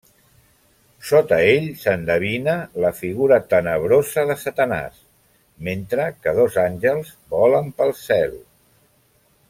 Sota ell s'endevina la figura tenebrosa de Satanàs, mentre que dos àngels volen pel cel.